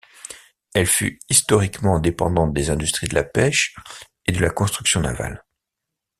Elle fut historiquement dépendante des industries de la pêche et de la construction navale.